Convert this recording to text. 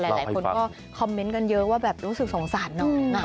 หลายคนก็คอมเมนต์กันเยอะว่าแบบรู้สึกสงสารน้อง